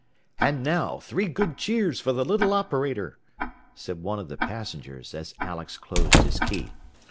"And now three good cheers for the little operator," said one of the passengers as Alex closed his key.